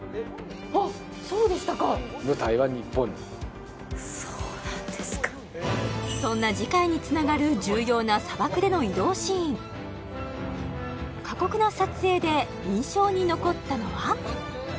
あっそうでしたかそうなんですかそんな次回につながる重要な砂漠での移動シーン過酷な撮影で印象に残ったのは？